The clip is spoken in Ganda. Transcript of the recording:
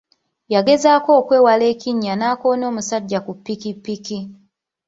Yagezaako okwewala ekinnya n'akoona omusajja ku pikipiki.